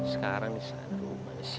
sekarang misalnya rumah disitu